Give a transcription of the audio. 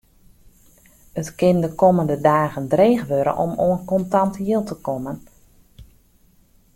It kin de kommende dagen dreech wurde om oan kontant jild te kommen.